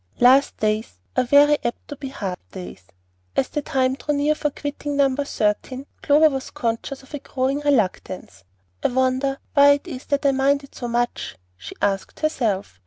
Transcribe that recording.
Last days are very apt to be hard days. As the time drew near for quitting No. 13, Clover was conscious of a growing reluctance. "I wonder why it is that I mind it so much?" she asked herself.